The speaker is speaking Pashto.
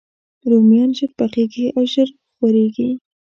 رومیان ژر پخیږي او ژر خورېږي